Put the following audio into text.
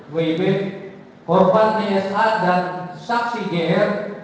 wib korban dsh dan saksi gr